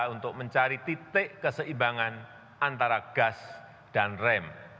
untuk mencari titik keseimbangan antara gas dan rem